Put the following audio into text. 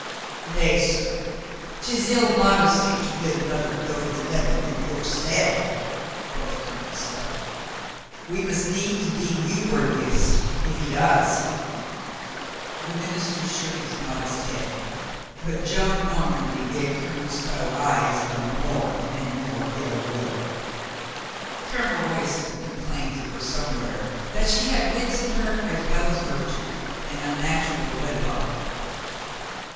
"Nay, sir, 'tis ill modesty to bid another go to the devil in your stead," quoth Colonel Stow. "We must needs deem you worthiest if he does." The minister shook his modest head, but Joan Normandy gave Colonel Stow eyes of more and more ill will. Colonel 54 COLONEL GREATHEART Royston complains of her somewhere that she had wits in her as well as virtue — an unnatural wedlock.